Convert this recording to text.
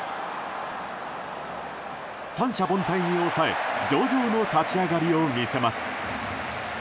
三者凡退に抑え上々の立ち上がりを見せます。